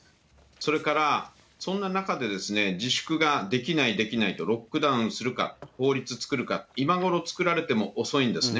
それからそんな中で、自粛ができないできないと、ロックダウンするか、法律作るか、今ごろ作られても遅いんですね。